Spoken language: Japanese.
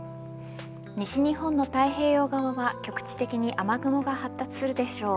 西日本の太平洋側は局地的に雨雲が発達するでしょう